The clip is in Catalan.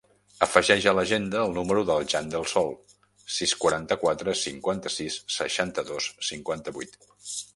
Afegeix a l'agenda el número del Jan Del Sol: sis, quaranta-quatre, cinquanta-sis, seixanta-dos, cinquanta-vuit.